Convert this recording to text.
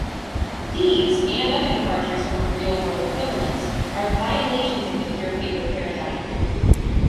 These and other departures from real-world equivalents are violations of the pure paper paradigm.